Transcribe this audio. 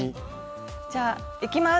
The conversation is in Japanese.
じゃあいきます！